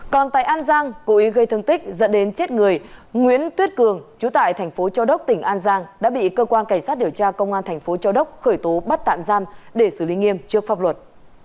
còn tại an giang cố ý gây thương tích dẫn đến chết người nguyễn tuyết cường chú tại thành phố châu đốc tỉnh an giang đã bị cơ quan cảnh sát điều tra công an thành phố châu đốc khởi tố bắt tạm giam để xử lý nghiêm trước pháp luật